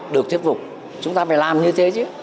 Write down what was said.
được thuyết phục chúng ta phải làm như thế chứ